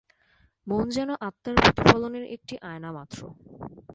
মন যেন আত্মার প্রতিফলনের একটি আয়না মাত্র।